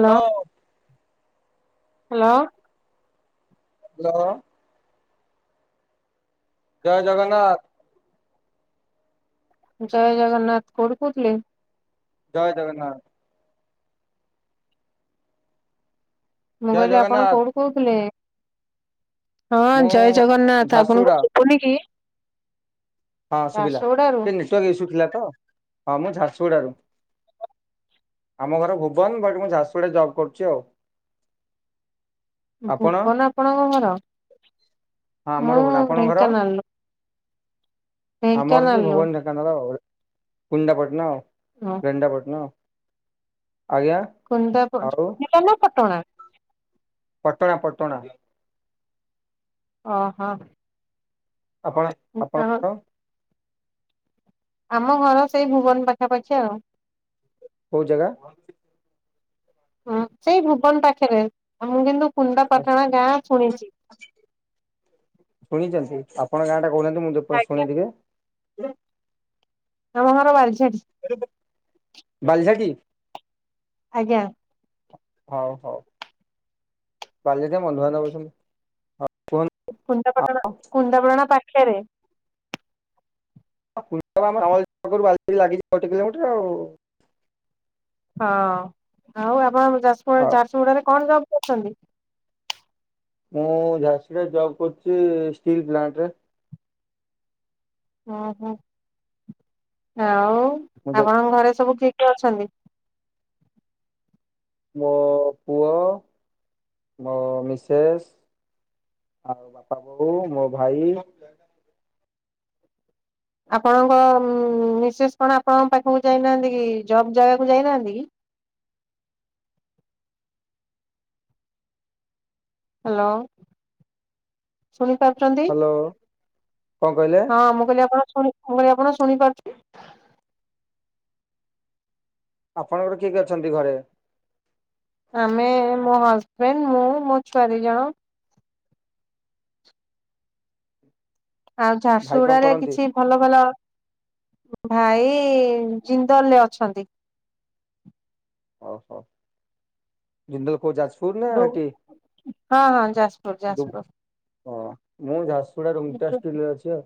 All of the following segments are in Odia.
ହ୍ୟାଲୋ। ହ୍ୟାଲୋ। ହ୍ୟାଲୋ। ଜୟ ଜଗନ୍ନାଥ। ଜୟ ଜଗନ୍ନାଥ କୋଠୁ କହୁଥିଲେ? ଜୟେ ଜଗନାଥ । ମୁଁ ଜୟ କହିଲି ଆପଣ ଜଗନ୍ନାଥ କୋଉଠୁ କହୁଥିଲେ? ହଁ ମୁଁ ଜୟ ଜଗନ୍ନାଥ ଆପଣଙ୍କୁ ଝାରସୁଗୁଡା ଶୁଭୁନି କି? ହଁ ସୁବିଲା ଝାରସୁଗୁଡାରୁ ଟିକେ ନେଟୱାର୍କ ଇସ୍ୟୁ ଥିଲା ତ ହଁ ମୁଁ ଝାରସୁଗୁଡ଼ାରୁ । [inaudible] ଆମ ଘର ଭୁବନ ବଟ ମୁଁ ଝାରସୁଗୁଡ଼ାରେ ଜବ କରୁଛି ଆଉ । ଭୁବନ ଆପଣଙ୍କ ଘର ହଁ ଆମର ମୁଁ ଭୁବନ। ଆପଣଙ୍କ ଢେଙ୍କାନାଳର। ଆମଘର ସେଇ ଭୁବନ ଢେଙ୍କାନାଳ ଆଉ କୁନିନ୍ଦାପାଟନା ଆଉ ହଁ ରେଣନ୍ଦାପାଟନା। କୁନିନ୍ଦା ପ ଆଉ କୁନିନ୍ଦା ନା ପଟଣା? ପଟଣା ପଟଣା। ଓହୋ। ଆପଣ ଆପଣଙ୍କ ଘର? ଆମ ଘର ସେଇ ଭୁବନ ପାଖାପାଖି ଆଉ। କୋଉ ଜାଗା? ହଁ ସେଇ ଭୁବନ ପାଖରେ? ଆଉ ମୁଁ କିନ୍ତୁ କୁନିଦ୍ଦା ଆପାଟଣା ଗାଁ ଶୁଣିଛି? ଆପଣଙ୍କ ଗାଁ ଟା କହୁନାହାନ୍ତି ମୁଁ ଆଜ୍ଞା। ଶୁଣେ ଟିକେ? ଆମ ଘର ବାଲିଝାଟି। ବାଲିଝାଟି? ଆଜ୍ଞା। ହଉ ହଉ କାଲିିକ ବନ୍ଧୁ ବାନ୍ଧବ ଅଛନ୍ତି ହଉ । କୁନ୍ଦାପାଟଣା କୁନ୍ଦାପଟଣା ପାଖରେ । [inaudible] ଗୋଟେ କିଲୋମିଟର ଆଉ । ହଁ ଆଉ ଆପଣ ଯାଜପୁର ଆଉ। ଝାରସୁଗୁଡାରେ କଣ ଜବ୍ କରୁଛନ୍ତି? ମୁଁ ଝାରସୁଗୁଡ଼ାରେ ଜବ୍ କରୁଛି ଷ୍ଟିଲ୍ ପ୍ଲାଣ୍ଟରେ । ଓହୋ ଆଉ ମୁଁ ଦେ ଆପଣଙ୍କ ଘରେ ସବୁ କି କିଏ ଅଛନ୍ତି? ମୋ ପୁଅ ମୋ ମିସେସ୍ ଆଉ ବାପା ବୋଉ ମୋ ଭାଇ। ଆପଣଙ୍କ ମିସେସ୍ କଣ ଆପଣଙ୍କ ପାଖକୁ ଯାଇନାହାନ୍ତି କି ଜବ୍ ଜାଗାକୁ ଯାଇନାହାନ୍ତି କି? ହାଲୋ। ଶୁଣିପାରୁଚନ୍ତି? ହ୍ୟାଲୋ କଣ କହିଲେ ହଁ ମୁଁ କହିଲି ଆପଣ ଶୁଣି ମୁଁ କହିଲି ଆପଣ ଶୁ ଶୁଣିପାରୁଚନ୍ତି। [inaudible] ଆପଣଙ୍କର କିଏ କିଏ ଅଛନ୍ତି ଘରେ? ଆମେ ମୋ ହଜବେଣ୍ଡ ମୁଁ ମୋ ଛୁଆ ଦିଇଜଣ। ଆଉ ଭାଇ କଣ ଝାରସୁଗୁଡାରେ କରନ୍ତି? କିଛି ଭଲ ଭଲ ଭାଇ ଜିନ୍ଦଲରେ ଅଛନ୍ତି। ଓହୋ ଜିନ୍ଦଲ କୋଉ ଛି ଫୁଡ୍ ନା ହଁ ଆର ଟି ଏ ହଁ ଯାଜପୁର ଯାଜପୁର [unintelligible] ମୁଁ ଝାରସୁଗୁଡା ରୁମଟା ଷ୍ଟିଲରେ ଅଛି।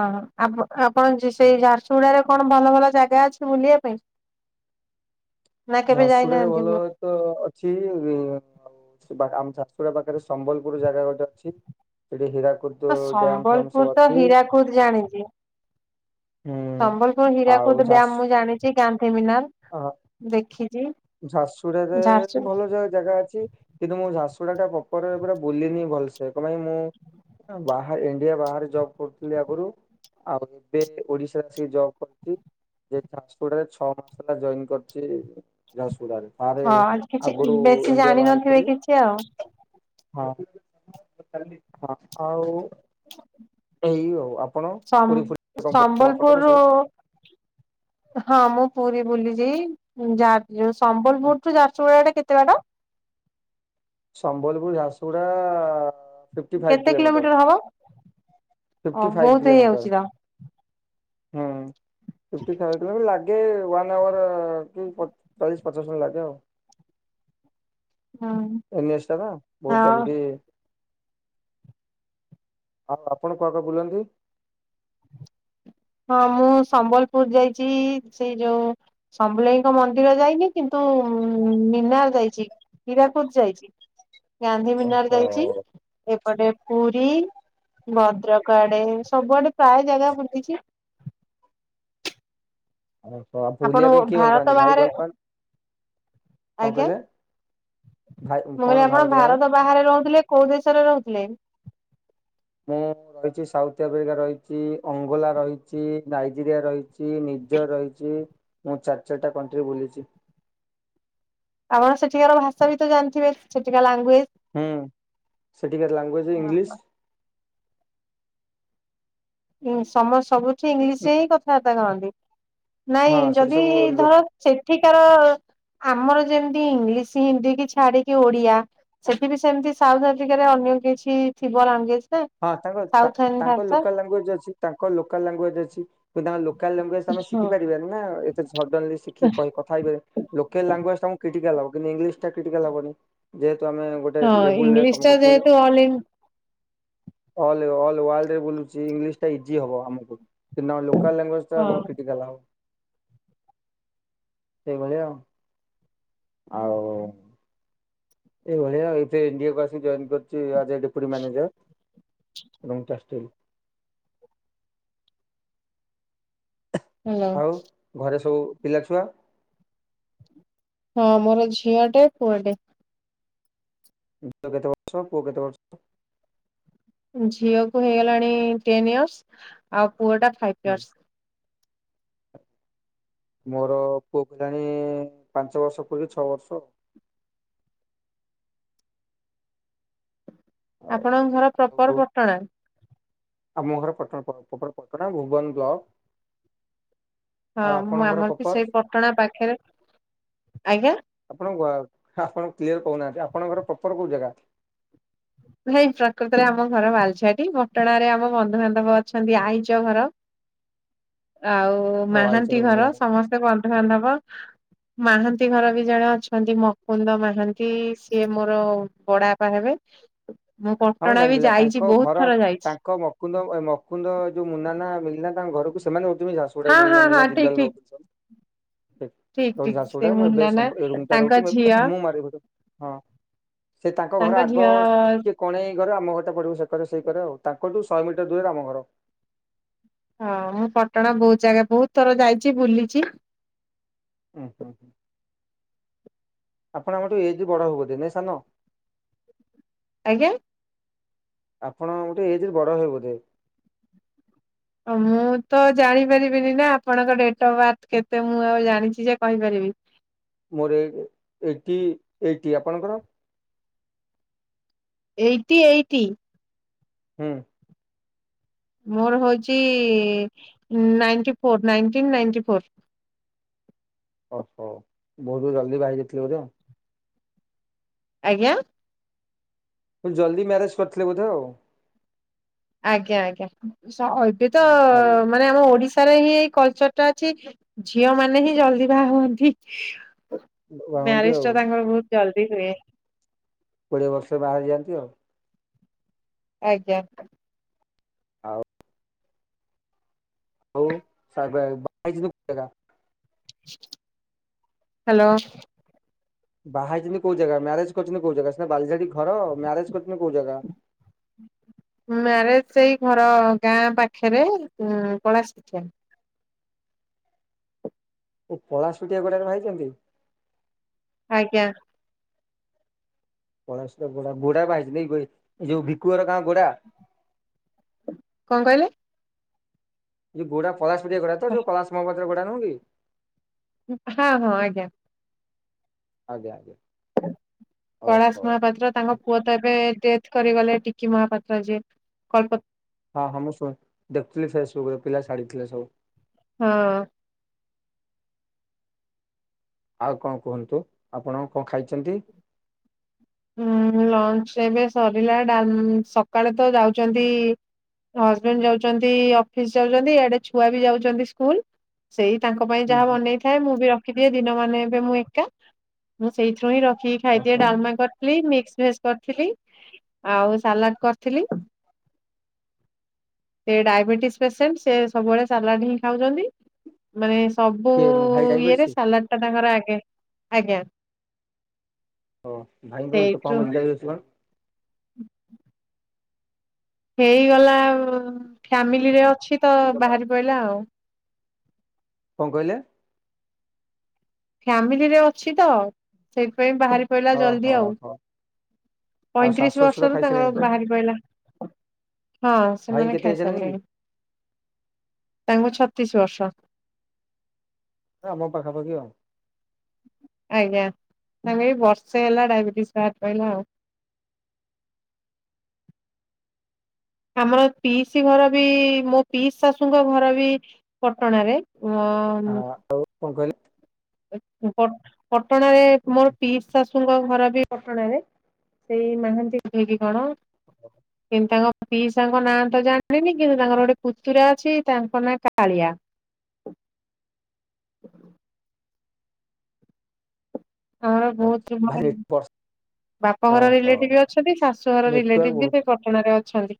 ଅ ଆପ ଆପଣ ଯେ ସେଇ ଝାରସୁଗୁଡା କଣ ଭଲ ଭଲ ଜାଗା ଅଛି ବୁଲିବା ପାଇଁ? ନା କେବେ ଝାରସୁଡାରେ ଯାଇନାହାନ୍ତି ଭଲ ମୁଁ ଭଲ ତ ଅଛି ଉଁ ଆଉ ଆମ ଝାରସଗୁଡା ପାଖରେ ସମ୍ବଲପୁର ଜାଗା ଗୋଟେ ଅଛି। ହୀରାକୁଦ ଡ୍ୟାମ ଫ୍ୟାମ ସମ୍ବଲପୁର ସବୁ ତ ଅଛି। ହୀରାକୁଦ ଜାଣିଛି। ହୁଁ ସମ୍ବଲପୁର ଆଉ ହୀରାକୁଦ ଡ୍ୟାମ ଝାରସୁ ମୁଁ ଜାଣିଚି ଗାନ୍ଧୀମିନାଲ ଦେଖି ଝାଡସୁଗୁଡାରେ ଭଲ ଜାଗା ଅଛି କିନ୍ତୁ ମୁଁ ଝାସୁର ଗୁଡା ଟା ପପର ପୁରା ବୁଲିନି ଭଲସେ କଣ ପାଇଁ ମୁଁ ବା ଇଣ୍ଡିଆ ବାହାରେ ଜବ୍ କରୁଥିଲି ଆଗରୁ ଆଉ ଏବେ ଓଡିଶା ଆସିକି ଜବ୍ କରି ଯେ ଯାଜପୁୁରରେ ଛଅ ମାସ ହେଲା ଜଏନ କରଚି। ବାହାରେ ହଁ କିଛି ଆଗରୁ ବେଶୀ ଇଣ୍ଡିଆ ବାହାରେ ଜାଣିନଥିବେ ଥିଲି। କିଛି ଆଉ ହଁ, ହଁ ଆଉ ଏଇ ଆଉ ଆପଣ ସମ୍ ପୁରୀ ଫୁରୀ କଣ ଆପଣଙ୍କର ସମ୍ବଲପୁରରୁ ସବୁ ହଁ, ମୁଁ ପୁରୀ ବୁଲିଚି ସମ୍ବଲପୁରଠୁ ଝାରସୁଗୁଡା ଟା କେତେ କେତେ ବାଟ? ସମ୍ବଲପୁର ଝାରସୁଗୁଡ଼ା କେତେ କିଲୋମିଟର ହବ? ହଁ, ଫିଫ୍ଟି ଫାଇଭ୍ ବୋହୁତ କିଲୋମିଟର ହେଇଯାଇଚି ତ। ହୁଁ ଫିଫ୍ଟି ଫାଇଭ୍ କିଲୋମି ଲାଗେ ୱାନ୍ ଆୱାର କି ଚାଳିଶ ପଚାଶ ମିନିଟ୍ ଲାଗେ ଆଉ। ହଁ ଏନି ଏଚ୍ ଟା ବା ବୋହୁତ ଆଉ ଜଲଦି ହଁ, ଆପଣ କୁଆଡେ କୁଆଡେ ବୁଲନ୍ତି? ହଁ, ମୁଁ ସମ୍ବଲପୁର ଯାଇଚି, ସେଇ ଯୋଉ ସମ୍ବଲେଇଙ୍କ ମନ୍ଦିର ଯାଇନି କିନ୍ତୁ ମିନାର ଯାଇଚି, ହୀରାକୁଦ ଯାଇଚି। ଗାନ୍ଧୀ ମିନାର ଓହୋ ଯାଇଚି। ଏପଟେ ପୁରୀ। ଭଦ୍ରକ ଆଡେ ସବୁଆଡେ ପ୍ରାୟ ଜାଗା ବୁଲିଚି। ଆଉ ବୁଲିବା ଆପଣ ପାଇଁ କିଏ ଭଲ ଭାରତ ପାଆନ୍ତି ଭାଇ ବାହାରେ ଭଲ ପାଆନ୍ତି କଣ ଆଜ୍ଞା କହିଲେ? ମୁଁ କହିଲି ଆପଣ ଭାରତ ବାହାରେ ରହୁଥିଲେ କୋଉ ଦେଶରେ ରହୁଥିଲେ? ମୁଁ ରହିଚି ସାଉଥ ଆଫ୍ରିକା ରହିଚି, ଅଙ୍ଗୋଲା ରହିଚି ନାଇଜେରିଆ ରହିଚି, ନିଜର୍ ରହିଚି, ମୁଁ ଚାରି ଚରିଟା କଣ୍ଟ୍ରି ବୁଲିଚି। ଆପଣ ସେଠିକାର ଭାଷା ବି ତ ଜାଣିଥିବେ ସେଠିକା ଲାନ୍ ହୁଁ। ସେଠିକାର ଲାଙ୍ଗୁଏଜ ଇଂଲିଶ୍। ଉଁ ସମସ୍ତ ସବୁଠି ଇଂଲିଶ ରେ ହିଁ କଥାବାର୍ତ୍ତା କରନ୍ତି। ହଁ ନାଇଁ ସେଠି ଯଦି ସବୁ ଲୋ ଧର ସେଠିକାର ଆମର ଯେମିତି ଇଂଲିଶ, ହିନ୍ଦୀ କି ଛାଡିକି ଓଡିଆ। ସେଠି ବି ସେମିତି ସାଉଥ ଆଫ୍ରିକାରେ ଅ ଲଗା କିଛି ଥିବ ଲାନଗୁଏଜ୍? ହଁ, ତାଙ୍କ ତାଙ୍କ ଲୋକାଲ ଲାଙ୍ଗୁଏଜ ଅଛି। ତାଙ୍କ ଲୋକାଲ ଲାଙ୍ଗୁଏଜ ଅଛି। କିନ୍ତ ତାଙ୍କ ଲୋକାଲ ଲାଂଗୁଏଜ୍ ଆମେ ହଁ ଶିଖିାରିବାନି ନା। ଏତେ ସଡନ୍ଲି ଶିଖି କଥା ହେଇ ଲୋକାଲ ଲାନ୍ଗୁଏଜ୍ ଟା କ୍ରିଟିକାଲ ହବ, କିନ୍ତ ଇଂଲିଶ କ୍ରିଟିକାଲ ହବନି, ଯେ ହଁ, ଇଂଲିଶ ଟା ଯେହେତୁ ଅଲ ଇନ୍ ଅଲ ଅଲ ୱର୍ଲ୍ଡରେ ବୁଲୁଚି, ଇଂଲିଶ ଟା ଇଜି ହବ ଆମ ଲୋକାଲ ଲାଙ୍ଗୁଏଜ୍ ଟା ହଁ ଆମର କ୍ରିଟିକାଲ ହବ। ସେଇ ଭଳିଆ ଆଉ। ଆଉ। ଏଇ ଭଳିଆ ଆଉ, ଏଇତ ଏନ୍ଡିଏ କୁ ଆସି ଜଏନ୍ କରଚି। ଡପୁଟି ମ୍ୟାନେଜର ରୁ ହଲୋ। ଆଉ ଘରେ ସବୁ ପିଲା ଛୁଆ? ହଁ, ମୋର ଝିଅ ଟେ ପୁଅ ଟେ। ଝିଅକୁ କେତେ ବର୍ଷ, ପୁଅକୁ କେତେ ବର୍ଷ? ଝିଅକୁ ହେଇଗଲାଣି ଟେନ୍ ଇୟର୍ସ। ଆଉ ପୁଅଟା ଫାଇଭ୍ ଇୟର୍ସ। ମୋର ପୁଅ କଲାଣି ପାଞ୍ଚ ବର୍ଷ ପୁରିକି ଛଅ ବର୍ଷ। ଆଉ। ଆପଣଙ୍କ ଘର ପ୍ରପର ଆଉ ପଟଣା? ଆମ ଘର ପ୍ରପର ପଟଣା ଭୁବନ ବ୍ଲକ। ଆଉ ହଁ ମୁଁ ଆପଣଙ୍କର ଆମର ବି ପପର ସେଇ ପଟଣା ପାଖରେ ଆଜ୍ଞା। ଆପଣ ଙ୍କ? ଆପଣ କ୍ଲିୟର କହୁନାହାନ୍ତି। ଆପଣଙ୍କର ପ୍ରପର କୋଉ ଜାଗା? ଭାଇ ପ୍ରକୃତରେ ଆମ ଘର ବାଲଛାଟି ମଟଣ ରେ ଆମ ବନ୍ଧୁବାନ୍ଧବ ଅଛନ୍ତି ଆଇଚ ଘର ଆଉ ଓ ଆଇଚର ମାହାନ୍ତି ଘର ବନ୍ଧୁବାନ୍ଧବ ସମସ୍ତେ ବନ୍ଧୁବାନ୍ଧବ। ମିହାନ୍ତି ଘର ବି ଜଣେ ଅଛନ୍ତି ମକୁନ୍ଦ ମହାନ୍ତି ସିଏ ମୋର ବଡାପା ହେବେ ମୁଁ ହଁ ପଟଣା ଜାଣି ବି ପା ଯାଇଛି ତାଙ୍କ ବହୁତ ଘର ଥର ଯାଇଛି ତାଙ୍କ ମୁକୁନ୍ଦ ମୁକୁନ୍ଦ ଯୋଉ ମୁନା ନା ମନା ଘରକୁ ସେମାନେ ହଉ ଝାସୁଗୁ ଡା ହଁ ହଁ ମିଳିଲ ହଁ ମିିଲନା ଠିକ ଜିଲ ଠିକ। ରହୁ ସ [unintelligible] ଠିକ ଠିକ ସେ ମୁନା ନା ତାଙ୍କ ଝିଅ ସେ ତାଙ୍କ ଘର ଆଗ ଟିକେ କଣ ଏଇ ଘରେ ଆମ ଘରଟା ପଡିବ ସେକରେ ସେଇ କରେ ଆଉ ତାଙ୍କଠୁ ଶହେ ମିଟର ଦୂରରେ ଆମ ଘର। ହଁ ମୁଁ ପଟଣା ବହୁତ ଜାଗା ବହୁତ ଥର ଯାଇଛି ବୁଲିଛି। ଉମ୍ଁ ହୁଁ ହୁ। ଆପଣ ଆମଠୁ ଏଜ୍ ରେ ବି ବଡ ହେବ ନାଇଁ ସାନ ଆଜ୍ଞା। ଆପଣ ଗୋଟେ ଏଜ୍ ରେ ବଡ ହେବେ ବୋଧେ? ମୁଁ ତ ଜାଣିପାରିବିନି ନା ଆପଣଙ୍କ ଡେଟ୍ ଅଫ୍ ବାର୍ଥ କେତେ ମୁଁ ଆଉ ଜାଣିଛି ସେ କହିପାରିବି ଇଇ। ମୋର ଐଈ ଏ ଏଟି ଆପଣଙ୍କର? ଏଇଟି ଏଇଟି। ହୁଁ। ମୋର ହଉଛି ନାଇନ୍ଟି ନାଇନ୍ଟିନ୍ ନାଇନ୍ଟି ଫୋର୍। ଓହୋ ବହୁତ ଜଲ୍ଦି ବାହାରି ଯାଇଥିଲି ବୋଧ ଆ। ଆଜ୍ଞା? ଜଲ୍ଦି ମ୍ୟାରେଜ୍ କରିଥିଲେ ବୋଧେ ଆଉ? ଆଜ୍ଞା ଆଜ୍ଞା ଏବେ ତ ହୁଁ। ଆଉ ମାନେ ଆମ ଓଡିଶା ହିଁ ଏଇ କଲଚର୍ ଟା ଅଛି ଝିଅ ମାନେ ହିଁ ଜଲଦି ବା ହନ୍ତି ବାହା ହୁଅନ୍ତି ମ୍ୟାରେଜ୍ ଆଉ ଟା ତାଙ୍କର ବହୁତ୍ ଜଲଦି ହୁଏ। କୋଡିଏ ବର୍ଷ ବାହାହେଇ ଯାଆନ୍ତି ଆଉ। ଆଜ୍ଞା। ହଉ। [unintelligible] ହ୍ୟାଲୋ। ବାହାହେଇଛନ୍ତି କୋଉ ଜାଗା ମ୍ୟାରେଜ୍ କରିଛନ୍ତି କୋଉ ଜାଗା ସିନା ବାଲିଡି ଘର ମ୍ୟାରେଜ୍ କରିଛନ୍ତି କୋଉ ଜାଗା? ମାରେଜ୍ ସେଇ ଘର ଗାଁ ପାଖରେ ପଳା ଶୁଟିଆ। ଓ ପଳାଶୁଟିଆ ଗୋଡାରେ ବାହାହେଇଛନ୍ତି? ଆଜ୍ଞା। କଳା ଗୋଡା ଗୋଡା ବା ହେଇଛି ଏ ଯୋଉ ଭକୁଅର ଗାଁ ଗୋଡା। କଣ କହିଲେ? ଯୋଉ ଗୋଡା ଫସ ଫ ଗୋଡା ତ ହଁ ଯୋଉଳା ମହାପାତ୍ରରେ ଗୋଡା ନହଁ କି? ହଁ ହଁ ଆଜ୍ଞା। ଆଜ୍ଞା। ହଉ ହଉ କୈଳାଶ ମହାପାତ୍ର ତାଙ୍କ ପୁଅ ତ ଏବେ ଡେଥ୍ କରିଗଲେ ଟିକି ମହାପାତ୍ର ଯିଏ କଳ୍ପ ହଁ ହଁ ମୁଁ ଶୁଣି ଦେଖୁଥିଲି ଫେସବୁକରେ ପିଲା ଛାଡି ଥିଲେ ସବୁ। ହଁ। ଆଉ କଣ କୁହନ୍ତୁ, ଆପଣ କଣ ଖାଇଛନ୍ତି? ହଁ ଲଞ୍ଚ୍ ଏବେ ସରିଲା, ଡାଲ ସକାଳେ ତ ଯାଉଚନ୍ତି ହଜବେଣ୍ଡ ଯାଉଚନ୍ତି ଅଫିସ ଯାଉଛନ୍ତି ଆଡେ ଛୁଆ ବି ଯାଉଛନ୍ତି ସ୍କୁଲ୍। ସେଇ ତାଙ୍କ ପାଇଁ ହୁଁ ଯାହା ହୁଁ ବନେଇଥାଏ ମୁଁ ବି ରଖିଦିଏ ଦିନମାନ ଏବେ ମୁଁ ଏକା। ମୁଁ ସେଇଥିରୁ ହିଁ ରଖ ଖିକି ଖାଇଦିଏ, ଓହୋ ଡାଲମା କରି ମିକ୍ସ ଭେଜ କରିଥିଲି, ଆଉ ସାଲାଡ କରିଥିଲି ସେ ଡାଇବେଟିସ୍ ପେସେଣ୍ଟ, ସିଏ ସବୁବେଳେ ସାଲାଡ ହିଁ ଖାଉଛନ୍ତି। ମାନେ ସବୁ କିଏ ଭାଇ ଇଏରେ ଡାଇବେଟିସ୍ ସାଲାଡଟା ତାଙ୍କର ଆଗେ। ଆଜ୍ଞା। ହଁ ଭାଇଙ୍କୁ ଏତେ କମରେ ଦିଆଯାଉଛି କଣ? ହ ହେଇଗଲା ଉ-ଉ ଫ୍ୟାମିଲିରେ ଅଛି ତ ବାହାରି ପଇଲା ଆଉ। କଣ କହିଲେ? ଫ୍ୟାମିଲିରେ ଅଛି ତ, ସେଇଥିପାଇଁ ବାହାରି ପଇଲା ହଁ ଜଲଦି ହଁ ଆଉ। ହଁ ଆଉ ଶାଶୁ ପଇଁତିରିଶ ଶ୍ୱଶୁର ବର୍ଷରୁ ଖାଇସାରିଲେଣି ତାଙ୍କର ବାହାରି ପଇଲା ହଁ ଭାଇଙ୍କି ସେମାନେ କେତେ ଖାଇ ଏଜ୍ ହେଲାଣି କି ସାରିଲେଣି। ତାଙ୍କୁ ଛ ତିଶ ବର୍ଷ। ସେ ଆମ ପାଖାପାଖି ଆଉ। ଆଜ୍ଞା। ନା ନାଇଁ ଏଇ ବର୍ଷେ ହେଲା ଡାଇବେ [unintelligible] ଆମର ପିଇସି ଘର ବି ମୋ ପିଇସି ଶାଶୂଙ୍କ ଘର ବି ପଟଣାରେ ଅ ହଁ ଆଉ କଣ କହିଲେ? ପ-ପଟ-ପଟଣାରେ ମୋର ପିଇସି ଶାଶୂ ଶାଶୂଙ୍କ ଘର ବି ପଟଣାରେ। ସେଇ ମାହାନ୍ତି କୁହେ କି କଣ? [unintelligible] ତାଙ୍କ ପିଇସାଙ୍କ ନାଁ ତ ଜାଣିନି କିନ୍ତୁ ତାଙ୍କର ଗୋଟେ ପୁତୁରା ଅଛି ତାଙ୍କ ନାଁ କାଳିଆ। ହଁ ବହୁତ ଭାରି [unintelligible] ବର୍ଷ ବାପ ଘର ଓହୋ ରିଲେଟିଭ ଅଛନ୍ତି, ଶାଶୂଘର ନେଟୱାର୍କ ରିଲେଟିଭ ବି ବହୁତ ସେଇ ପଟଣାରେ ଅ ଛନ୍ତି।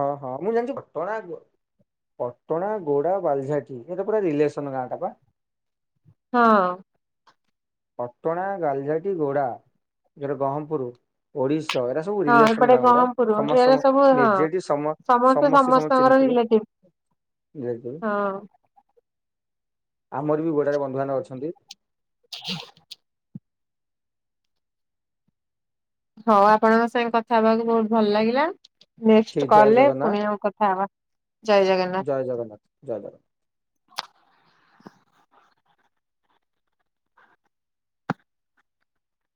ହଁ ହଁ ମୁଁ ଜାଣିଛି ପଟଣା ଆଗ ପଟଣା, ଗୋଡା, ବାଲଝାଟି, ଏଇଟା ପୁରା ରିଲେସନ ଗାଁ ଟା ପା। ହଁ। ପଟଣା, ଗାଲଝାଟି, ଗୋଡ଼ା, ଇଆଡ଼େ ଗହମପୁରୁ, ଓଡ଼ିଶ ତ ଏୟରା ସବୁ ହଁ ରିଲେସନ ଏପଟେ ଗାଁ ଗୁଡା। ବ୍ରହ୍ମପୁର ସମସ୍ତେ ଏରା ସମ ସବୁ ହଁ ମେଜରିଟି ସମ ସମସ୍ତେ ସମସ୍ତଙ୍କୁ ସମସ୍ତଙ୍କର ଚିହ୍ନିଥିବେ। ରିଲେଟିଭ୍ ହଁ। ଆମର ବି ଗୋଡାରେ ବନ୍ଧୁବାନ୍ଧବ ଅଛନ୍ତି। ହଉ ଆପଣଙ୍କ ସାଙ୍ଗେ କଥା ହବାକୁ ବହୁତ ଭଲ ଲାଗିଲା ଠିକ ନେକ୍ସଟ୍ ଜୟ କଲରେ ଜଗନ୍ନାଥ ପୁଣି ଆଉ କଥା ହବା। ଜୟ ଜଗନ୍ନାଥ। ଜୟ ଜଗନ୍ନାଥ ଜୟ ଜଗନ୍ନାଥ